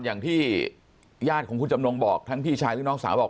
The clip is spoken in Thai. อย่างที่ญาติของคุณจำนงบอกทั้งพี่ชายหรือน้องสาวบอก